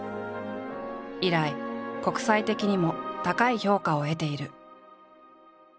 以来国際的にも高い評価を得ている。